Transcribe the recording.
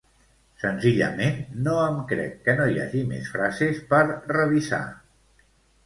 Senzillament no em crec que no hi hagi més frases per revisar.